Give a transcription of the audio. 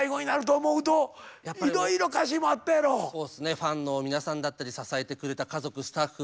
ファンの皆さんだったり支えてくれた家族スタッフ